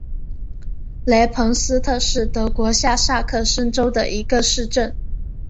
雷彭斯特是德国下萨克森州的一个市镇。